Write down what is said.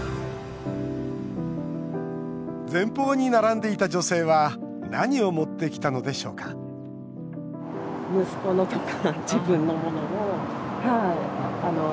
前方に並んでいた女性は何を持ってきたのでしょうか家族の冬服。